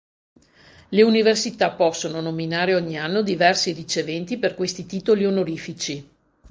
Le università possono nominare ogni anno diversi riceventi per questi titoli onorifici.